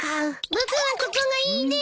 僕はここがいいです！